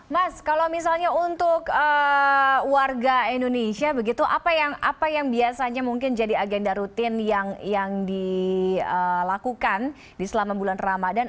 mas kalau misalnya untuk warga indonesia begitu apa yang biasanya mungkin jadi agenda rutin yang dilakukan di selama bulan ramadan